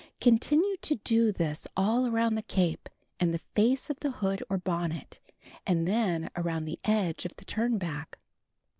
Continue to do this all around the cape and the face of the hood or bonnet, and then aromid the edge of the turn back, 4.